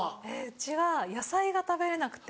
うちは野菜が食べれなくて。